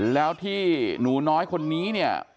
แล้วที่หนูน้อยคนนี้เนี่ย